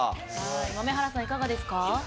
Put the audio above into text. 豆原さん、いかがですか？